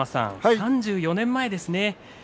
３４年前ですね。